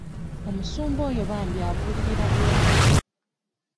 Omusumba oyo bambi abuulirira bulungi.